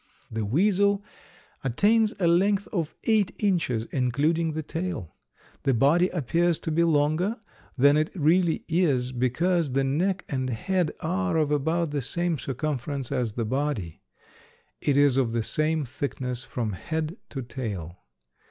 The weasel attains a length of eight inches, including the tail. The body appears to be longer than it really is because the neck and head are of about the same circumference as the body. It is of the same thickness from head to tail.